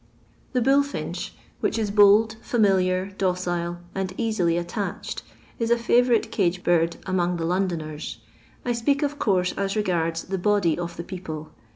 The BfUJyinehf which is bold, familiar, docile, and eaaily attached, is a favourite cage bird among tiia Londoners ; I speak of course as regards the body el the people.